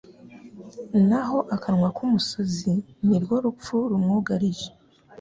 naho akanwa k’umusazi ni rwo rupfu rumwugarije